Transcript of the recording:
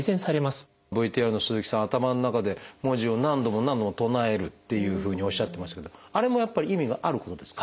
ＶＴＲの鈴木さん頭の中で文字を何度も何度も唱えるというふうにおっしゃってますけどあれもやっぱり意味があることですか？